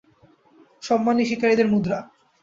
সম্মানই শিকারীদের মুদ্রা।